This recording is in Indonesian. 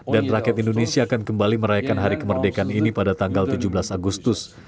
rakyat indonesia akan kembali merayakan hari kemerdekaan ini pada tanggal tujuh belas agustus